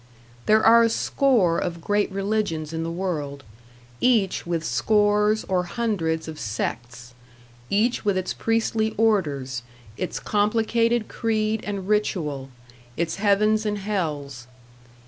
There are a score of great religions in the world, each with scores or hundreds of sects, each with its priestly orders, its complicated creed and ritual, its heavens and hells.